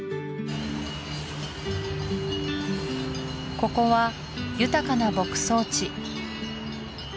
ここは豊かな牧草地